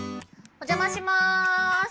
お邪魔します！